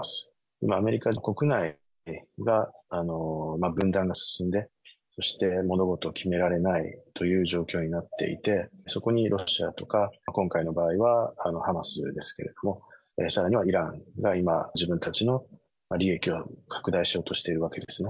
今、アメリカ国内が分断が進んで、そして物事を決められないという状況になっていて、そこにロシアとか、今回の場合はハマスですけれども、あるいはさらにイランが今、自分たちの利益を拡大しようとしているわけですね。